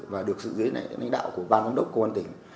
và được sự giới đạo của ban giám đốc công an tỉnh